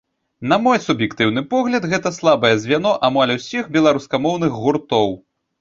На мой суб'ектыўны погляд, гэта слабае звяно амаль усіх беларускамоўных гуртоў.